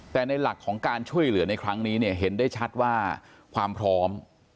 แต่ในหลักของการช่วยเหลือในครั้งนี้เนี่ยเห็นได้ชัดว่าความพร้อม